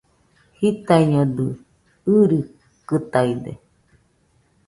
Jitaiñodɨ, irikɨtaide